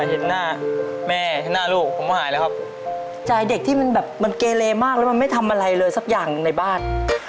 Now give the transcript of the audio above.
เอ่อเอ้ยจริงในบ้าน